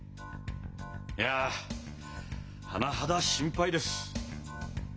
いや甚だ心配です。